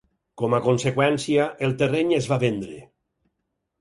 Com a conseqüència, el terreny es va vendre.